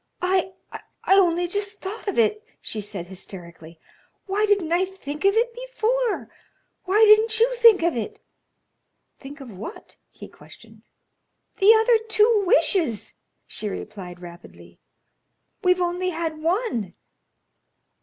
"I only just thought of it," she said, hysterically. "Why didn't I think of it before? Why didn't you think of it?" "Think of what?" he questioned. "The other two wishes," she replied, rapidly. "We've only had one."